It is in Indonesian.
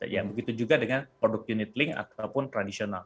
ya begitu juga dengan produk unitlink ataupun tradisional